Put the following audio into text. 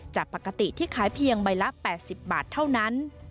จากปกติที่ขายเพียงใบละ๘๐บาทเท่านั้น